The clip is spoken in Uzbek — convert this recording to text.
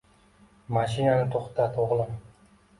Mashinani to‘xtat, o‘g‘lim.